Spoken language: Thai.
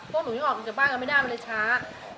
พวกหนูไม่ออกมาจากบ้านก็ไม่ได้เลยช้า